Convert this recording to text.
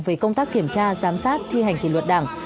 về công tác kiểm tra giám sát thi hành kỷ luật đảng